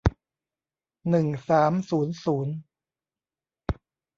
หนึ่งสามศูนย์ศูนย์